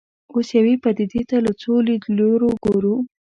اوس یوې پدیدې ته له څو لیدلوریو ګورو.